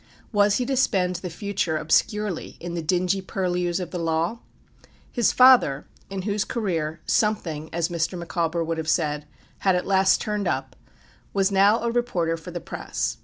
Was he to spend the future obscurely in the dingy purlieus of the law? His father, in whose career "something," as Mr. Micawber would have said, had at last "turned up," was now a reporter for the press.